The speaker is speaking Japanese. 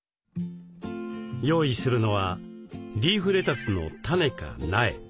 用意するのはリーフレタスのタネか苗。